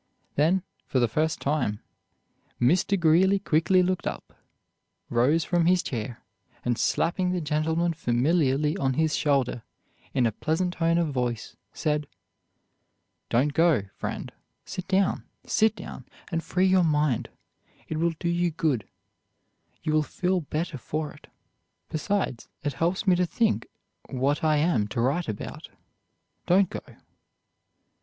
Then, for the first time, Mr. Greeley quickly looked up, rose from his chair, and slapping the gentleman familiarly on his shoulder, in a pleasant tone of voice said: "Don't go, friend; sit down, sit down, and free your mind; it will do you good, you will feel better for it. Besides, it helps me to think what I am to write about. Don't go."